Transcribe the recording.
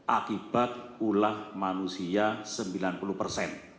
akibat ulah manusia sembilan puluh persen